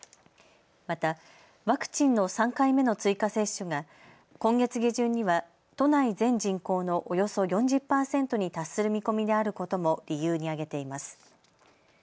またワクチンの３回目の追加接種が今月下旬には都内全人口のおよそ４０％に達する見込みであることも理由に挙げています。